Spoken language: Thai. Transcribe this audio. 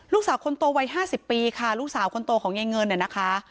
ลูกสาวคนโตวัย๕๐ปีค่ะลูกสาวคนโตของยายเงินเนี่ยนะคะ